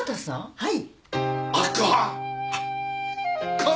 はい！